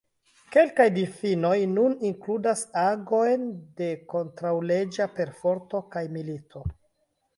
Kelkaj difinoj nun inkludas agojn de kontraŭleĝa perforto kaj milito.